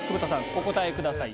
お答えください